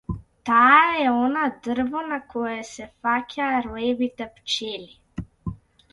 Таа е она дрво на кое се фаќаа роевите пчели.